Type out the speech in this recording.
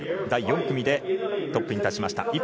第４組でトップに立ちました。